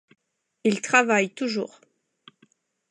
Il travaille toujours.